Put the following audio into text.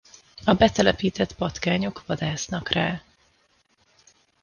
A betelepített patkányok vadásznak rá.